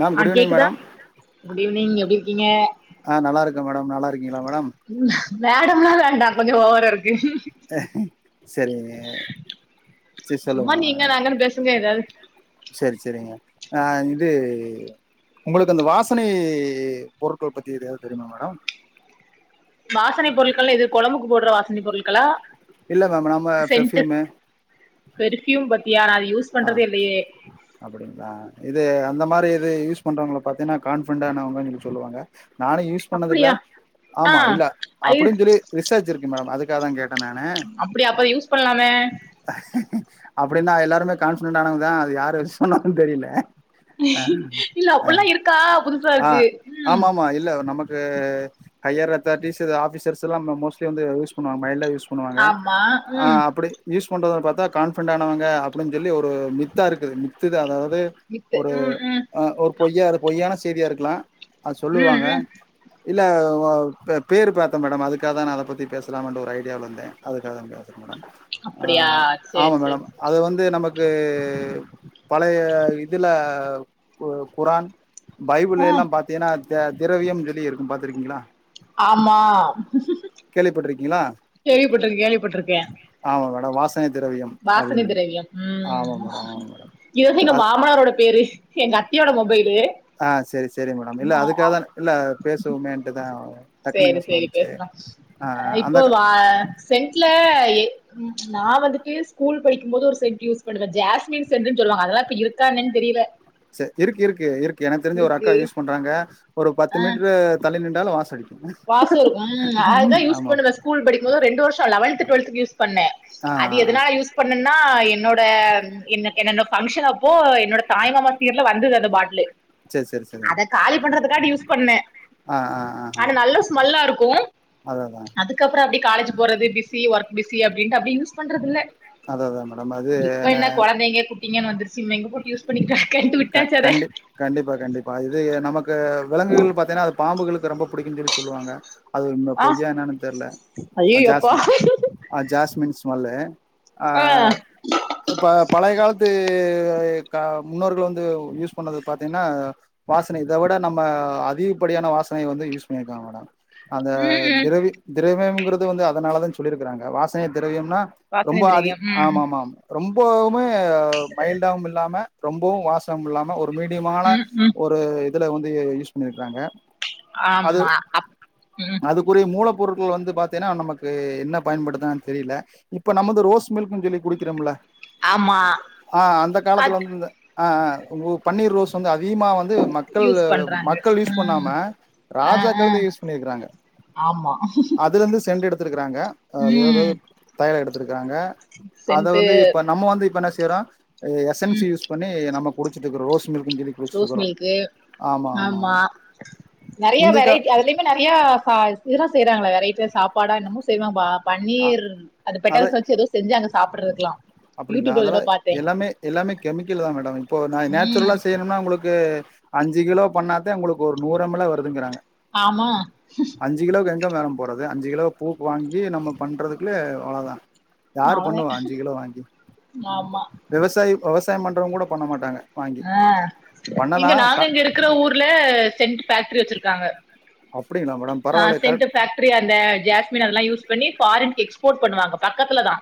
Ma'am ஆ good evening கேக்குதா madam good evening எப்டி இருக்கீங்க ஆ நல்லா இருக்கேன் மேடம் நல்லா இருக்கீங்களா மேடம் மேடம்ல்லா வேண்டா கொஞ்சோ ஓவ சரிங்க சரி சும்மா சொல்லுங்க நீங்க நாங்கன்னு பேசுங்க ஏதாவது சரி சரிங்க ஆ இது உங்களுக்கு அந்த வாசனை பொருட்கள் பத்தி எதாவது தெரியுமா மேடம் வாசனை பொருட்கள்ல்லா எது கொழம்புக்கு போடுற வாசனை பொருட்களா இல்ல மேம் நாம சென்ட்டு பெர்யூமு பெர்ஃப்யூம் பத்தியா நா அது யூஸ் ஆ பண்றதே இல்லையே அப்டிங்ளா இது இந்த மாதிரி எது யூஸ் பண்றவங்க பாத்தன்னா கான்படண்டானவங்கனு சொல்லுவாங்க நானு யூஸ் பண்ணது இல்ல அப்டியா ஆ ஆமா இல்ல ஐ அப்டின்னு சொல்லி ரிசார்ச் இருக்கு மேடம் அதுக்கு காதங்க கேட் நானு அப்டியா அப்ப யூஸ் பண்லாமே அப்டின்னா எல்லாருமே கான்பிடெட் ஆனவங்கதா அது யார விஸ் பண்ணாங்க தெரியல ஆ, இல்ல அப்டில்லா இருக்கா புதுசா ஆ இருக்கு உம் ஆமாமா. இல்ல நமக்கு ஹையர் அத்தாரிட்டிஸ் ஆபிசர்ஸ் எல்லா மோஸ்ட்லி வந்து யூஸ் பண்ணுவாங்க மைல்டா யூஸ் பண்ணுவாங்க ஆமா ஆ ம் அப்டி யூஸ் கொண்டு வர பாத்த கான்பின்டானவங்க அப்டின் சொல்லி ஒரு மித்தா இருக்குது மித்துத அதா து வித்து ஒரு ம் ம் அ ஒரு பொய்யா அது பொய்யான செய் தியா இருக்கலாம் அத ம் சொல்லுவாங்க ம் இல்ல பா பேர் பாத்தேன் மேடம் அதுக்காக தா அத பத்தி பேசலாமான்டு ஒரு ஐடியால வந்தேன் அதுக்காக தா பேசுறேன் மேடம் ஆ அப்டியா சேரி ஆமா சேரி மேடம் அது வந்து நமக் கு பழய இதுல கு குரான் பைபிள் ஆ எல்லா பாத்தீன்னா திரவியம் சொல்லி இருக்கும் பாத்துருக்கீங்ளா ஆமா கேள்விப்பட்டிருக்கீங்களா கேள்விப்பட்டுருக்கே கேள்விப்பட்டுருக்கே த வாஸ் சனை திரவியம் அப்டின்டு ம் இதுதா எங்க மாமனாரோட பேரு எங்க அத் தி யோட மொபைல் ஆ சரி சரி மேடம் இல்ல அதுக்காக தா நா இல்ல பேசுவோமேன்டுதான் சேரி சேரி பேசலாம் அந்த இப்போ அக்கா வா சென்ட்ல நா வந்துட்டு ஸ்கூல் படிக்கும் போது ஒரு சென்ட் யூஸ் பண்ணுவேன் ஜாஸ்மின் சென்ட்டுன்னு சொல்லுவாங்க அதெல்லா இப்ப இருக்கா என்னன் தெரியல இருக்கு இருக்கு இருக்கு எனக் தெரிஞ்சு ஒரு அக்கா இருக்கு யூஸ் பண்றாங்க ஒரு பத்து மீட்டர் தள்ளி நின் னாலு வாசம் அடிக்கு வாசம் இருக்கும் அதுதான் யூஸ் பண்ணுவே ஸ்கூல் படிக்கும்போது ரெண்டு வருஷம் லெவல்த்து டுவல்த்து யூஸ் பண்ணே ஆ அது ஆ ஆ எதுனால யூஸ் பண்ணேன்னா என்னோட அந்த என்ன என்னோட பங்க்ஷன் அப்போ என்னோட தாய்மாமா சீர்ல வந்தது அந்த பாட்டிலு சரி சரி சரிங்க அத காலி பண்றதுக்கான்டி யூஸ் பண்ணே ஆ ஆ ஆ ஆ ஆனா நல்ல ஸ்மெல்லா இருக்கும் அதா அதா அதுக்கப்ற அப்டி காலேஜ் போறது பிஸி ஒர்க் பிஸி அப்டின்ட்டு அப்டி யூஸ் பண்றது இல்ல அதா மேடம் அது என்ன டிங்க வந்துருச்சு இனிமே எங்க போட்டு யூஸ் பண்ணிக்க க கண்டி கண்டிப்பா கண்டிப்பா இது நமக்கு விலங்குகள் பாத்தீனா பாம்புகளுக்கு ரொம்ப புடிக்குன்னு சொல்லி சொல்லுவாங்க அது ஒன்னு ஆ பொய்யா என்னான்னு தெர்ல ஐயையோ அப்பா ஜாஸ்மின் ஜாஸ்மின் ஸ்மல்லு ஆ அப்ப பழைய காலத்து து க முன்னோர்கள் வந்து து யூஸ் பண்ணது பாத்தீங்கன்னா வாசன இத விட நம்ம அதிகப்படியான வாசனை வந்து யூஸ் பண்ணியிருக்கங்க மேடம் அந்த ம் ம் திரவி தி திரவிங்குறது வந்து அதனால தான் சொல்லியிருக்கிறாங்க வாசனய திரவியம்னா வாசனை ரொம்ப அதி திரவியம் ம் ஆமா ஆமா ஆம் ரொம்போவுமே ஏ மைல்டாவும் இல்லாம ரொம்பவும் வாஸ் தம் இல்லாம ஓர் மீடியமான ம் ம் ஒரு இதுல வந்து செஞ்சிறாங்க அது ஆமா அப் ம் அதுக்குரிய மூள பொருள்கள் வந்து பாத்தீனா நமக்கு என்ன பயன்படுத்தனு தெரியில இப்ப நமக்கு ரோஸ் மில்க்னு சொல்லி குடிக்கிறோம் இல்ல ஆமா ஆ அந்த காலத்துல அது வந்து இந்த ஆ ஆ நம்பு பன்னீர் ரோஸ் வந்து அதிகமா வந்து மக்கள் யூஸ் பண்றாங்க மக்கள் யூஸ் பண்ணாம ம் ஆ ஆ ராஜாக்கள்தா யூஸ் பண்ணிருக்கிறாங்க ஆமா அதுல இருந்து சென்று எடுத்திருக்கிறாங்க அது ஏதோ ம் தயல எடுத் காங்க அத சென்ட்டு வந்து இப்ப நம்ம வந்து இப்ப நஸ் திரா எஸ்என்சு ம் யூஸ் பண்ணி நமக் குடிச்சிட்டுக்கு ரோஸ் ரோஸ் மில்க்கு ஆமா நறையா முந்திக்கா வெரைட்டி அதுலயுமே நறையா பா இறா செய்றாங்களா வெரைட்டிய சாப்பாடா என்னமோ செய்வன்பா அ பன்னீர் அந்த அத பெட்டஸ் வச்சி எதோ செஞ்சாங்க சாப்படறதுக்கலாம் அப்டிங்களா யூடிப்ல அதெல்லா எதோ பாத்தே எல்லாமே எல்லாமே கெமிக்கல் தா மேடம் இப்போ நா நேச்சுரலா ம் செய்யணும்னா உங்களுக்கு அஞ்சி கிலோ பண்ணாதா உங்களுக்கு ஒரு நூறு எம்லே வருதுங்கிறாங்க ஆமா எங்க மேடம் போடுறது அஞ்சு கிலோ பூக்கு வாங்கி நம்ம பண்றதுக்குலே அவ்ளோதா யாரு அவ்ளோதே பண்ணுவா அஞ்சு கிலோ வாங்கி ஆமா விவசாயி விவசாயோ பண்றங்க கூட பண்ண மாட்டாங்க வாங்கி அ பண்ணலா இங்க நாங்க க இங்க இருக்கிற ஊர்ல சென்ட் பேக்டரி வச்சிருக்காங்க ஆ அ சென்ட் ஃபேக்ட்ரி அந்த ஜாஸ்மின் அதெல்லா யூஸ் பண்ணி ஃப்பாரின் எக்ஸ்போட் பண்ணுவாங்க பக்கத்துலதா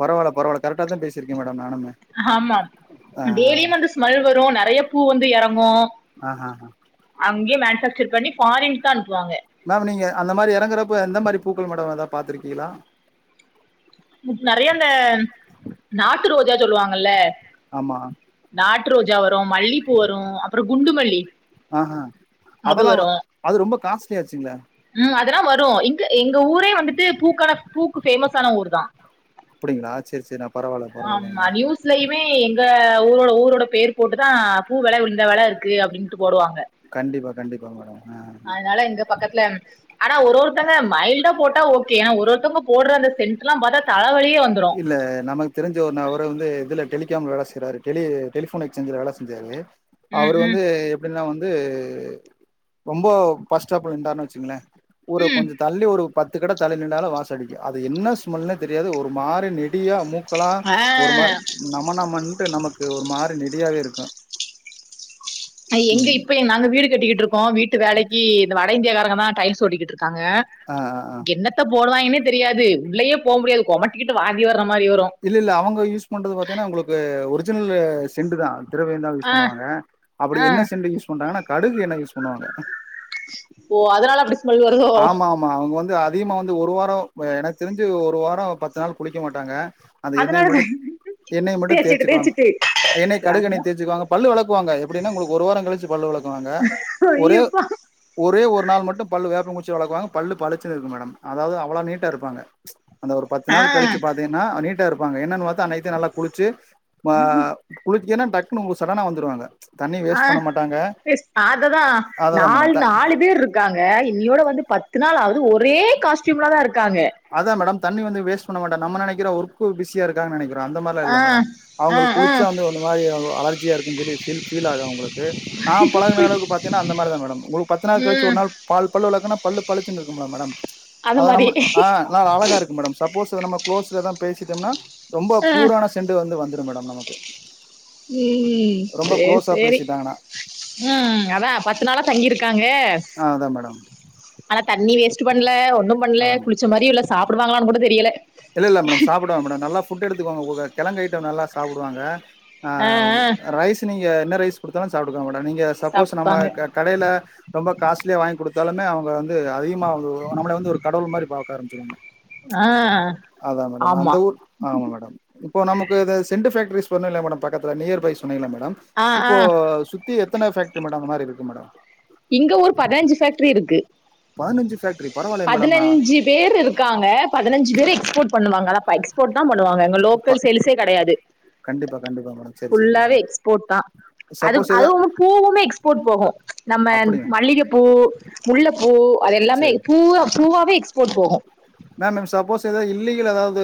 பரவால்ல பரவால்ல கரெட்டாதா பேசிருக்கே மேம் ஆமா டெய்லியு அந்து ஸ்மெல் வரு நெறைய பூ வந் த்து எறங்கு ஆஹ் ஆஹ் டக்சர் பண்ணி ஃபாரின்தா அனுப் மேம் நீங்க அந்த மாரி எறங்கறப்ப எந்த மாரி பூக்கள் மேடம் ஏதா பாத்துருக்கீங்களா நெறைய அந்த நாட்டு ரோ ஜா சொல்லுவாங்கல்ல ஆமா ஆட்டு ரோஜா வ றோ மல்லிப்பூ வரு அப்புறோ குண்டுமல்லி ஆஹ் அதெல்லா அது ரொம்ப காஸ்ட்லியாச்சுங்களே இதலா வரு இங்க எங்க ஊரே வந்துட்டு பூக்கான பூக்கு பேமஸ் ஆன ஊர்தா அப்பிடிங்களா சேரி சேரி ஆ பரவாயில்ல ஆமா பரவாயில்லங்ளே நியூஸ்லயுமே எங்க ஊரோட ஊரோட பேர் போட்டுதா பூ வில இந்த வில இருக்கு அப்பிடின்டு போடுவாங்க கண்டிப்பா கண்டிப்பா மேடம் ஆ அதனால இங்க பக்கத்துல ஆனா ஒரு ஒருத்தங்க மைல்டா போட்டா ஓகே ஆனா ஒரு ஒருத்தங்க போற அந்த சென்ட் எல்லா பாத்தா தல வழி இல்ல நமக்கு தெரிஞ்ச ஒரு நவர வந்து இதுல டெலி க்காம வேல செய்றாரு டெலி டெலி ஃபோன் எஸ்சேஞ்சல வேல செஞ்சாரு ம் அவுரு ம் வந்து எப் பின்ன வந்து ரொம்ப பஸ்டாப்புல நின்டாருன்னு வச்சுங்களே ஊரு ம் கொஞ்சோ தள்ளி ஒரு பத்துக்கட தள்ளி நின்னாலு வாச அடிக்கு அது என்ன ஸ்மெல்ன்னே தெரியாது ஒரு மாறி நெடிய மூக் க்குல்லா ஆ ஒரு மாரி நமனமன் க்கு நமக்கு ஒரு மாரி நெடியாவே இருக்கு அ எங்க இப்ப நாங்க வீடு கட்டிக்கிட்டு இருக்கோ வீட்டு வேலைக்கி இந்த வாட வட இந்தியக்காரங்கதா டைல்ஸ் ஓட்டிகிட்டு க்காங்க ஆ ஆ ஆ என்னத்தப் போடுவாங்கன்னே தெரியாது உள்ளயே போக முடியாது கோமட்டிகிட்டு வாந்தி வரு இல்ல இல்ல அவுங்க யூஸ் பண்றது பாத்தீங்கன்னா உங்களுக்கு ஒரு ரிஜினல்லு செண்டுதா திரவியோதா யூஸ் ஆ பண்ணுவாங்க ஆ அப்பிடிஎன்ன சென்டூ யூஸ் பண்றாங்கன்ன கடுகு எண்ண யூஸ் பண்ணுவாங்க ஓ அதனால அப்பிடி ஸ்மெல் வருதோ து அதிகமா வந்து ஒரு வாரோ எனக்கு தெரிஞ்சி ஒரு வாரோ பத்து நாள் குளிக்க மாட்டாங்க அது எண்ணனை மட்டு அதனாலதான் எண்ணெய் மட்டும் தேய்ச்சிட்டு தேசுக்குவாங்க தேய்ச்சிட்டு எண்ணெய் கடுகுண்ணெயா கருமம் தேசுக்குவாங்க பல்லு வெளக்குவாங்க எப் ப்பிடின்னா உங்களுக்கு ஒரு வாரோ கழிச்சி பல் வெளக் க்குவாங்க ஒரே ஐயோப்பா ஒரே ஒரு ஒரு நாள் மட்டு பல்லு வேப்பங்குச்சிய வளக்குவாங்க பல்லு பழச்சினு இருக்கு மேடம் அதாவது அவ்ளோ நீட்டோ இருப்பாங்க அந்த ஒரு பத்து ஆ நாள் கழிச்சி பாத்தீங்கன்னா நீட்டு நீட்ட இருப்பாங்க என்னா பாத்த அன்னிக்குதா நல்லா குளிச்சி மா குளி க் ஏன்னா டக்குனு உங்க சடனா வந்துடுவாங்க ஆ அததா அததான் மேடம் நாலு நாலு பேர் இருக்காங்க இனியோட வந்து பத்து நாள் ஆகு து ஒரே காஸ்டியூம்லதா இருக் அதா மேடம் தண்ணி வந்து வேஸ் பண்ணமாட்ட நம நினைகிறோம் ஒர்க் பிசியா இருக்காங்க நெனைகிறே அந்த மாரிலா ஆ இல்ல மேடம் ஆ அவுங்களுக்கு ஆ குளிச்ச அந்த ஒரு மாரி அலர்ஜியா இருக்கு சொல்லி ஃபீல் ஃபீல் ஆகுது அவுங்களுக்கு நா பழகன அளவுக்கு பத்தினா அந்த மாரிதா மேடம் உங்களுக்கு பத்து நாள் கழிச்சி ம் ஒரு நாள் பால் பல் வெளக்குனா பல்லு பழிச்சுன்னு இருக்குங்களா மேடம் அந்த அத மாரி நம்ம ஆ நல்லா அழகா இருக்கு மேடம் சப்போஸ் இது நம்ம குளோஸ்லதா பேசிட்டோம்னா ரொம்ப ஆ ப்யூரான செண்டு வந்து வந்து ரு மேடம் நமக்கு ம் ரொம்ப சேரி க்ளோஸா சேரி பேசிட்டாங்கன்னா ம் அதா பத்து நாளா தங்கிருக்காங்க ஆ அதா மேடம் ஆனா தண்ணி வேஸ்ட்டு பண்ல ஒன்னும் பண்ல அதா மேடம் குளிச்ச மாரி இல்ல சாப் டுவாங்களானு கூட தெரியல இல்ல இல்ல மேடம் சாப்டுவாங்க மேடம் நல்லா ஃபுட் எடுத்துக்குவாங்க அவுக கெழங்கு ஐட்டோ நல்லா சாப்டுவாங்க ஆ அ ரைஸ் நீங்க என்ன ரைஸ் குடுத்தாலு சாப்ட்டுக்குவாங்க மே டம் நீங்க சப்போஸ் நம்ம சாப்ட்டாங்க க கடைல ரொம்ப காஸ்ட்லியா வாங்கி குடு த்தாலுமே அவுங்க வந்து அதிக மா அது நம்மள வந்து ஒரு கடவுள் மாரி பாக்க ஆரம்பிச்சிருவாங்க ஆ அதா மேடம் ஆமா அந்த ஊர் ஆமா மேடம் இப்போ நமக்கு இது செண்டு ஃபேக்ட்ரீஸ் சொன்ன இல்லயே மேடம் பக்கத்துல நியர் பை சொன்னீங்கல்ல மேடம் ஆ ஆ இப்போ சுத் தி எத்தன ஃபேக்டரி மேடம் அந்த மாரி இருக்கு மேடம் இங்க ஒரு பதனஞ்சு ஃபேக்டரி இருக்கு பதனஞ்சு ஃபேக்டரி பதனஞ்சு பேர் இருக்காங்க பதனஞ்சு பேரு சரி எக்ஸ்போர்ட் பண்ணுவாங்க. அதா ப எக்ஸ்போர்ட்தா பண்ணுவாங்க இங்க ப லோக்கல் சேல்ஸே கெடையாது. கண்டிப்பா கண்டிப்பா மேடம் சரி சரி ஃபுல்லாவே மேடம் எக்ஸ்போர்ட்தா. அது சப்போஸ் எதா அதுவுமு பூவுமே எக்ஸ்போர்ட் போகு. நம்ம அப்படியா மல்லிகப்பூ, முல்லப்பூ அது எல்லாமே சரி பூவாவே எக்ஸ்போர்ட் போகு மேம் இப்ப சப்போஸ் எதாவது இல்லீகலா எதாவது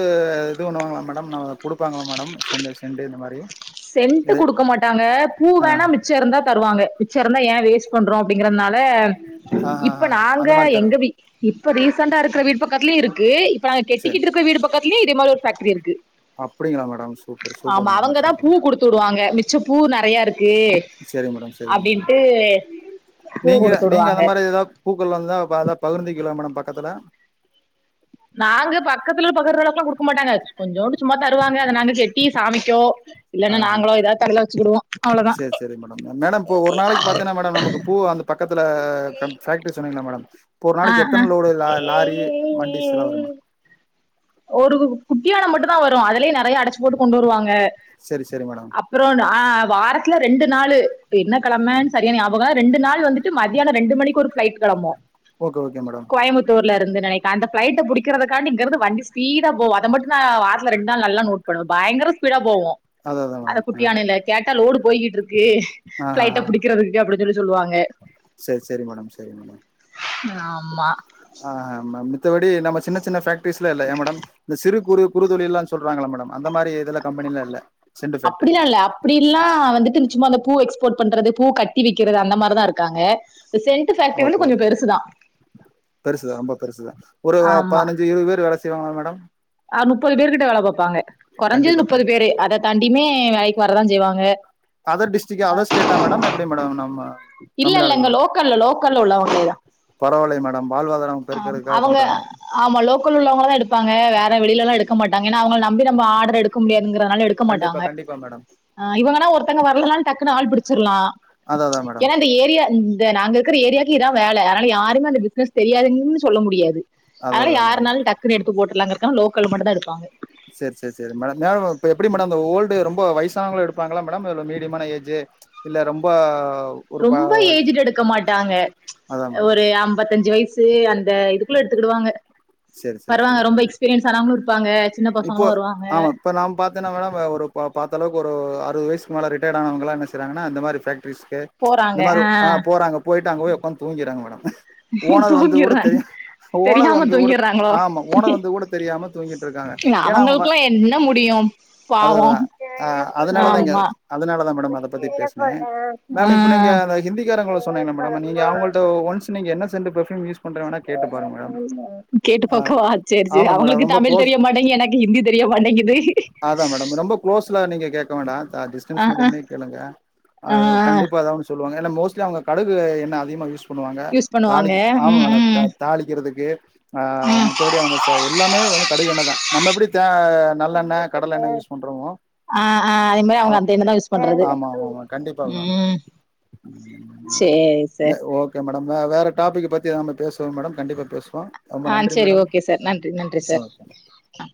இது பண்ணுவாங்களா மேடம் ந குடுப்பாங்களா மேடம் சென்டு சென்டு இந்த மாரி சென்ட்டு குடுக்க மாட்டாங்க. பூ ஆ வேண்ணா மிச்சோ இருந்தா தருவாங்க. மி ச்ச இருந்தா யேன் வேஸ்ட் பண்றோ அப்டிங்கறதுனால ஆ ஆ இப்ப ஆ நாங்க அந்த மாரி எங்க தரும் வீ இ ப்ப ரீசெண்டா இருக்குற வீடு பக்கத்துலயு இருக்கு இ ப்ப நாங்க சரி கெட்டிக்கிட்டு இருக்கற வீடு பக்கத்திலயு இதே மாரி ஒரு ஃபேக்டரி இருக்கு அப்டிங்களா மேடம் சூப்பர் சூப்பர் ஆமா மேடம் அவங்கதா சூப்பர் பூ குடுத்துவுடுவாங்க மிஸ் ச்சி பூ நெறையா இருக் சேரி மேடம் சேரி மேடம் பூ நீங்க குடுத்து நீங்க விடுவாங்க அந்த மாரி ஏதா பூக்கள் வந்தா பாதா பகிர்ந்திக்கில மேடம் பக்கத்துல கொஞ்சோன்டு சும்மா தருவாங்க அத நாங்க செட்டி சாமிக்கோ ஆ இல்லன்னா ஆ நாங்களோ எதோ தலையில வச்சிக்கிடுவோ அவ்ளோதா சரி சரி மேடம் மேடம் இப்போ ஒரு நாளைக்கு பாத்தீங்கன்னா மேடம் நமக்கு பூ அந்த பக்கத்துல ஃபேக்டரி சொன்னீங்களா மேடம் இப்போ ஒரு நாளைக்கு எத்தன லோடு லா லாரி வண்டிஸ்ல்லா வரும் மேம் ஒரு குட்டியான மட்டுதா வரு அதிலியே நெறையா அடச்சி போட்டு கொண்டு வருவாங்க சரி சரி மேடம் அ அப்புறோ நா வாரத்துல ரெண்டு நாளு என்ன கிழமை சரிய ஞாபக ரெண்டு நாள் வந்துட்டு மதியானோ ரெண்டு மணிக்கு ஒரு ஃபிளைட் கெளம்பு ஓகே ஓகே மேடம் கோயம்புத்தூர்ல இருந்து நினைக்க அந்த ஃபிளைட்ட புடிக்காறதுக்காண்டி இங்க இருந்து வண்டி ஃபீடா போவு அத மட்டு நா வாரத்துல ரெண்டு நாள் நல்லா நோட் பண்ணுவே பயகர ஸ்பீட போவோ அதா அதா அத மேடம் குட்டியானைல கேட்டா லோடு போகியிட்டு இருக் க்கு ஆ ஆ ஃபிளைட்ட ஆ புடிக்கிறதுக்கு அப்பிடின் சொல்லி சொல்லுவாங்க சரி சரி மேடம் சரி மேடம் ஆமா த்தபடி நம சின்ன சின்ன ஃபேக் பிஸிலா இல்ல ஏ மேடம இந்த சிறுப் குறு குறுதொழிலா சொல்றாங்களா மேடம் அந்த மாதிரி இதுல கம்பெனிலா இல்ல சென்ட் ஃபேக்ட்ரி அப்பிடிலா இல்ல அப்பிடில்லா வந்துட்டு நிச்சும்மா அந்த பூ எக்ஸ் போர்ட் பண்றது பூ கட்டி விக்கிறது அந்த மாரிதா இருக்காங்க சென்ட் ஃபேக்டரி ஓகே வந்து கொஞ்சம் ஓகே பெருசுதான் பெருசுதா ரொம்ப பெருசுதா ஒரு பதினஞ்சு இரு பேர் வேல செ செய்வாங்கலா மேடம் ஆ முப்பது பேரு கிட்ட வேல பாப்பாங்க கொறஞ்சது கண்டிப்பா முப்பது கண்டிப்பா பேரு அத தாண்டியுமே வேலைக்கு வரதான செய்வாங்க அதர் டிஸ்டிக் அதர் ஸ்டோ மேடம் எப்பிடி மேடம் நம்ம இல்ல தமிழ்நாடு இல்லங்க லோக்கல்ல லோக்கல்ல உள்ளவங்களே தான் பரவாயில்லை மேட வாழ்வாதாரம் பெருக்கிறதுக்காக பண்றாங்க க்கு உள்ளவங்களதா எடுப்பாங்க வேற வெளியல்ல எல்லா எடுக்க மாட்டாங்க ஏன்னா அவுங்க நம்பி நம ஆர்டர் எடுக்க முடியா ங்கனால எடுக்க கண்டிப்பா மாட்டாங்க கண்டிப்பா மேடம் ஆ இவுங்கா ஒருத்தங்க வரலனா டக்குன்ன ஆள் புடிச்சிலா அததா மேடம் ஏனா இந்த ஏரியா து நாங்க இருக்கிற ஏரியாவுக்கு இதா வேல அதன யாருமே அந்த பிசினஸ் தெரியாதுங் சொல்ல முடியாது அதனால அததா மேடம் யாருனாலு டக்குனு எடு த்து போட்றலாங்கறக்காக லோக்கல்ல மட்டுந்தா எடுப்பாங்க சேரி சேரி சேரி மேடம் மேடம் இப்ப எப்படி மேடம் இந்த ஓல்டு ரொம்ப வயசானவங்களா எடுப்பாங்களா மேடம் இல்ல மீடியமான ஏஜு இல்ல ரொம்ப ஒரு ப ரொம்ப ஏஜ்டு எடுக்க மாட்டாங்க அதா மேடம் ஒரு அம்பத்தஞ்சு வய சு அந்த இதுக்குள்ள எடுத்துக்கிடுவாங்க. சேரி சேரி வருவாங்க சேரி சேரி ரொம்ப எக்ஸ்பீரியன்ஸ் ஆனவங்களு இரு இப்போ ஆமா இப்ப நாம பாத்தேன்னா மேடம் ஆ ஒரு பா பாத்த அளவுக்கு ஒரு அறுவது வயசு க்கு மேல ரிட்டையர்டு ஆனவங்கல்லா என்ன செய்யறாங்கன்னா இந்த மாரி ஃபேக்ட்ரீஸ் க்கு இந்த மார ஆ போறாங்க போயிட்டு அங்க போய் உக்காந்து தூங்கியிர்றாங்க மேடம் ஓனர் வந்தது கூட தூங்கிடுறாங்க தெரியா ஓனர் தெரியாம வந்தது கூட தூங்கிடுறாங்களோ ஆமா ஓனர் வந்தது கூட தெரியாம தூங்கிட்ருக்காங்க ஏன்னா அவங்க வ அவங்களுக்குல்லாம் என்ன முடியும் அதுஅதா பாவம் ஆ அதனாலதா இங்க ஆமா அதனாலதா மேடம் அத பத்தி பேசுனே ஆ மேம் இப்ப நீங்க அந்த ஹிந்திக்காரங்கள சொன்னீங்கல்ல மேடம் நீங்க அவங்கள்ட்ட ஒன்ஸ் நீங்க என்ன சென்டு ஃபெர்ஃப்யூம் யூஸ் பண்ற வேணா கேட்டு பாருங்க மேடம் கேட்டு ஆ பாக்கவா சேரி சேரி ஆமா மேடம் அவுங்களுக்கு ரொம்ப தமிழ் க்ளோஸ் தெரிய மாட்டேங்கி எனக் அதா மேடம் ரொம்ப குளோஸ்ல நீங்க கேக்க வேண்டா த டிஸ்டன்ஸ் ஆ மெயின்டெயின் ஆ பண்ணி கேளுங்க ஆ அது கண்டிப்பா எதாவது ஒண்ணு சொ ல்வாங்க ஏன்னா மோஸ்ட்லி அவுங்க கடுகு எண்ண அதிகமா யூஸ் பண்ணுவாங்க யூஸ் பண்ணுவாங்க தாளிக்க ஆமா ம் மேடம் ம் தா தாளிக்கிறது க்கு ஆ ம் மித்தபடி அவுங்க ச எல்லாமே வந்து கடுகு எண்ணதா நம்ம எப்டி தே ங்கா நல்லெண்ண கடலெண்ண யூஸ் பண்றோமோ ஆ ஆ அதே மாரி ஆ அவங்க அந்த எண்ணெய்தான் யூஸ் பண்றது ஆமா ஆமா மேம் கண்டிப்பா மேம் ம் ம் சரி இது சார் ஓகே மேட நம்ம வேற டாபிக்க பத்தி நம்ம பேசுவோ மேடம் கண்டிப்பா பேசு ஆ செரி ஓகே சார் நன்றி நன்றி சார் ஓகே ஆ